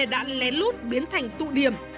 đã lén lút biến thành tụ điểm